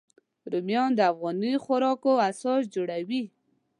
رومیان د افغاني خوراکو اساس جوړوي